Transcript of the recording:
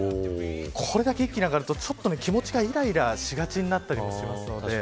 これだけ一気に上がると気持ちがイライラしがちになったりもします。